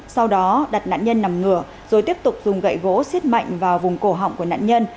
sau đó đặt nạn nhân nằm ngửa rồi tiếp tục dùng gậy gỗ xiết mạnh vào vùng cổ họng của nạn nhân